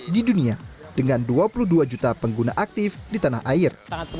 dengan dua puluh dua juta pengguna aktif di dunia dengan dua puluh dua juta pengguna aktif di tanah air